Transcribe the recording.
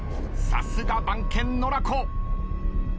さすが番犬のら子。